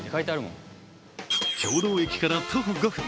経堂駅から徒歩５分